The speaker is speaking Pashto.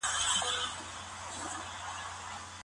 پخوا سانسور تر ازادۍ زيات وو.